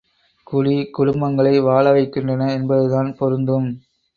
குடி குடும்பங்களை வாழவைக்கின்றன என்பதுதான் பொருந்தும்.